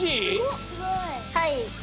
はい。